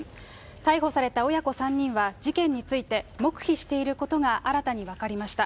逮捕された親子３人は、事件について黙秘していることが新たに分かりました。